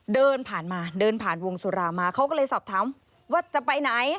เดินผ่านมาเดินผ่านวงสุรามาเขาก็เลยสอบถามว่าจะไปไหน